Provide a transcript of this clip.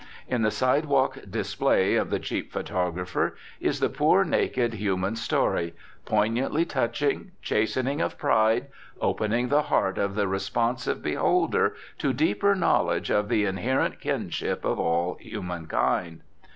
In the sidewalk display of the cheap photographer is the poor, naked, human story, poignantly touching, chastening of pride, opening the heart of the responsive beholder to deeper knowledge of the inherent kinship of all humankind.